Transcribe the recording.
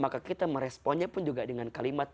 maka kita meresponnya pun juga dengan kalimat